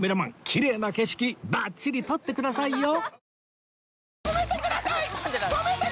きれいな景色バッチリ撮ってくださいよ！